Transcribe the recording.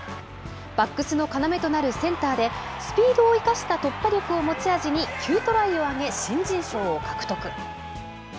バックスの要となるセンターで、スピードを生かした突破力を持ち味に９トライをあげ、新人賞を獲得。